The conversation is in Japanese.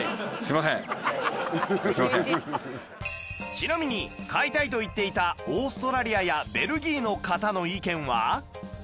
ちなみに「買いたい」と言っていたオーストラリアやベルギーの方の意見は